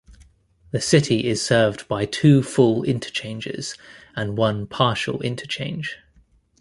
The city is served by two full interchanges and one partial interchange.